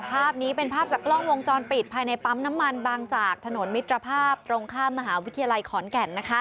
ภาพนี้เป็นภาพจากกล้องวงจรปิดภายในปั๊มน้ำมันบางจากถนนมิตรภาพตรงข้ามมหาวิทยาลัยขอนแก่น